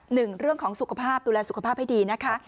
หนึ่งเรื่องของสุขภาพดูแลสุขภาพให้ดีนะคะ